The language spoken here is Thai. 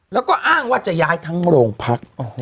แล้วก็อ้างว่าจะย้ายทั้งโรงพัก